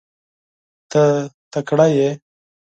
ته تکړه یې .